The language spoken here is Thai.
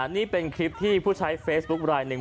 นี่เป็นคลิปที่ผู้ใช้เฟซบุ๊คลายหนึ่ง